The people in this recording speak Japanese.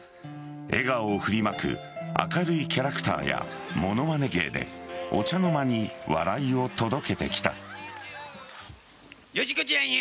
笑顔を振りまく明るいキャラクターや物まね芸でお茶の間に笑いを届けてきた。